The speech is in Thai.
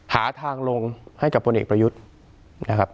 หาทางลงให้กับผลเอกประยุทธ์